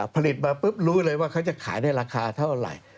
ผลิตมาปุ๊บรู้เลยว่าเขาจะขายได้ราคาเท่าไหร่